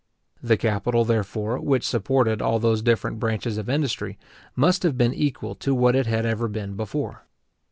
The capital, therefore, which supported all those different branches of industry, must have been equal to what it had ever been before.